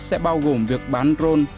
sẽ bao gồm việc bán rôn